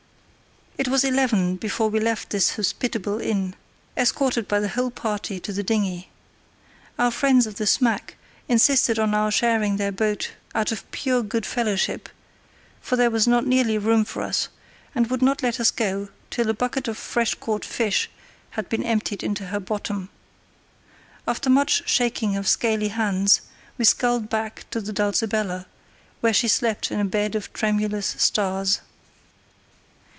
It was eleven before we left this hospitable inn, escorted by the whole party to the dinghy. Our friends of the smack insisted on our sharing their boat out of pure good fellowship—for there was not nearly room for us—and would not let us go till a bucket of fresh caught fish had been emptied into her bottom. After much shaking of scaly hands, we sculled back to the Dulcibella, where she slept in a bed of tremulous stars.